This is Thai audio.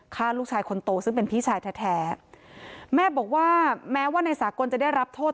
ฆ่าลูกชายคนโตซึ่งเป็นพี่ชายแท้แท้แม่บอกว่าแม้ว่านายสากลจะได้รับโทษ